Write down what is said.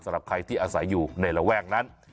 สำหรับใครที่อาศัยอยู่ในระแวกนั้น